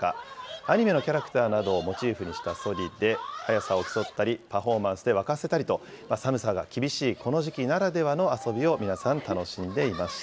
アニメのキャラクターなどをモチーフにしたそりで速さを競ったり、パフォーマンスで沸かせたりと、寒さが厳しいこの時期ならではの遊びを皆さん楽しんでいました。